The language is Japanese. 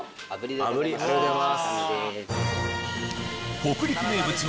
炙りありがとうございます。